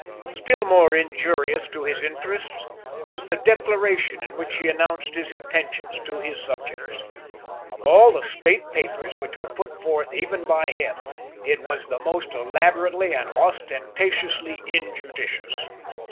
Still more injurious to his interests was the Declaration in which he announced his intentions to his subjects. Of all the State papers which were put forth even by him it was the most elaborately and ostentatiously injudicious.